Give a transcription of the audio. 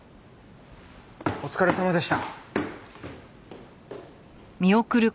お疲れさまでした。